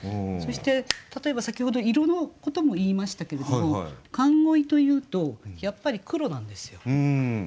そして例えば先ほど色のことも言いましたけれども「寒鯉」というとやっぱり黒なんですよ。